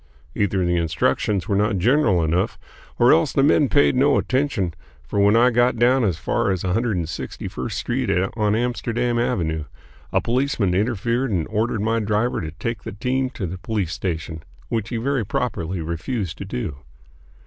Either the instructions were not general enough, or else the men paid no attention; for when I got down as far as 161st Street on Amsterdam Avenue, a policeman interfered and ordered my driver to take the team to the police station, which he very properly refused to do.